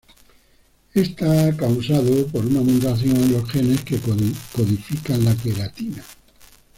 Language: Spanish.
Está causado por una mutación en los genes que codifican la queratina.